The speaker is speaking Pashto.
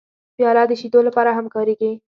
پیاله د شیدو لپاره هم کارېږي.